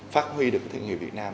phát huy được cái thương hiệu việt nam